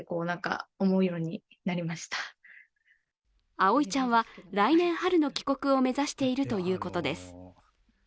葵ちゃんは来年春の帰国を目指しているということです。